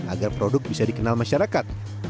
agar produk bisa dikenal masyarakat